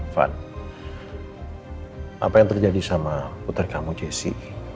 van apa yang terjadi sama putri kamu jesse